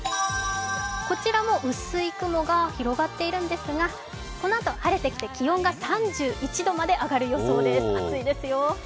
こちらも薄い雲が広がっているんですが、このあと晴れてきて気温が３１度まで上がる予想です、暑いですよ。